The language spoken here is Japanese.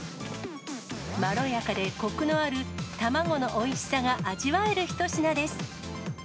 まろやかでこくのある卵のおいしさが味わえる一品です。